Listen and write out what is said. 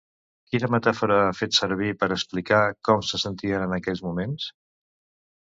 Quina metàfora ha fet servir per explicar com se sentien en aquells moments?